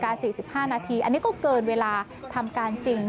อันนี้ก็เกินเวลาทำการจริง